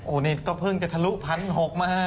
โอ้โหนี่ก็เพิ่งจะทะลุพันหกมาฮะ